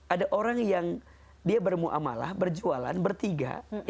ada orang yang dia bermu'amalah berjualan bertiga